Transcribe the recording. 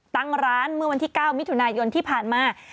ตั้งร้านเมื่อวันที่๙มิถุนายนที่ผ่านมา